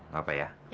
nggak apa apa ya